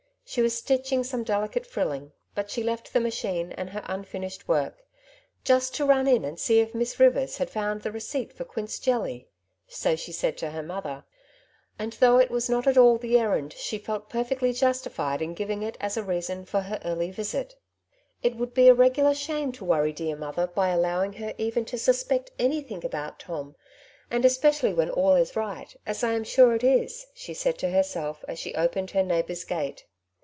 She was stitching some delicate frilling, bnt she left the machine and her unfinished work, ^^ just to run in and see if Miss Rivers had found the receipt for quince jelly,'* so she said to her mother; and though it was not all the errand, she felt perfectly justified in giving it as a reason for her early visit. *^It would be a regular shame to worry dear mother by allowing her even to suspect anything about Tom, and especially when all is right, as I am sure it is," she said to herself, as she opened her neighbour's gate.